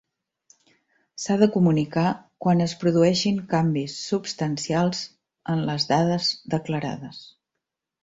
S'ha de comunicar quan es produeixin canvis substancials en les dades declarades.